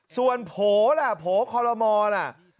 ส่วนโผล่คลมอล่ะ